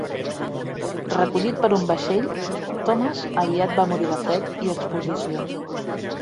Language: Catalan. Recollit per un vaixell, Thomas aviat va morir de fred i exposició.